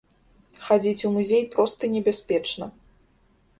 Хадзіць у музей проста небяспечна.